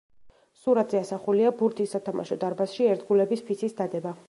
სურათზე ასახულია ბურთის სათამაშო დარბაზში ერთგულების ფიცის დადება.